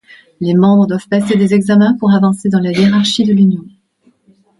Les membres doivent passer des examens pour avancer dans la hiérarchie de l'union.